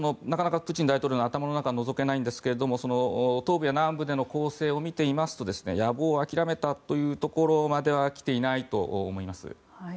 なかなかプーチン大統領の頭の中はのぞけないんですけど東部や南部での攻勢を見ていますと野望を諦めたというところまではきていないと思います。